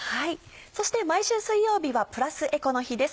そして毎週水曜日はプラスエコの日です。